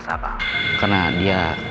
sa pa karena dia